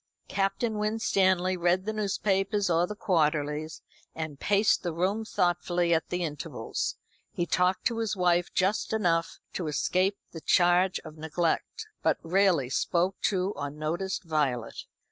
Captain Winstanley read the newspapers or the quarterlies, and paced the room thoughtfully at intervals. He talked to his wife just enough to escape the charge of neglect, but rarely spoke to or noticed Violet.